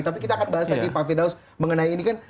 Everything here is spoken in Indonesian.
tapi kita akan bahas lagi pak firdaus mengenai ini kan